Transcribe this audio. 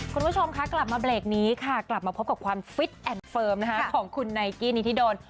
คุณผู้ชมคะกลับมาเบรกนี้ค่ะกลับมาพบกับความฟิตแอนด์เฟิร์มของคุณไนกี้นิธิดล